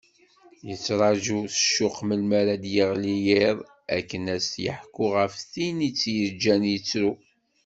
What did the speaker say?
Yettraǧu s ccuq melmi ara d-yeɣli yiḍ akken ad as-yeḥku ɣef tin i t-yeǧǧan yettru.